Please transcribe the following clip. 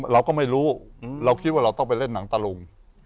เราก็ไม่รู้เราคิดว่าเราต้องไปเล่นหนังตะลุง